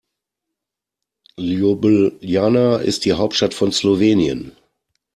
Ljubljana ist die Hauptstadt von Slowenien.